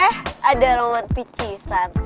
eh ada orang mau picisan